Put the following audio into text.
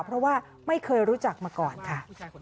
เพราะว่าไม่เคยรู้จักมาก่อนค่ะ